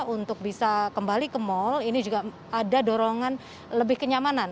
untuk bisa kembali ke mal ini juga ada dorongan lebih kenyamanan